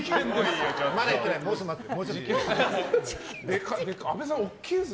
まだ言ってないです。